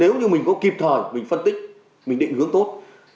thế nhưng nếu như mình có kịp thời mình phân tích mình định hướng tốt